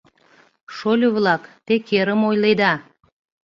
Шольо-влак, те керым ойледа.